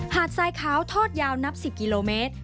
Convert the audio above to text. ดทรายขาวทอดยาวนับ๑๐กิโลเมตร